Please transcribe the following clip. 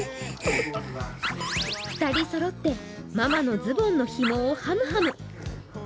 ２人そろってママのズボンのひもをハムハム。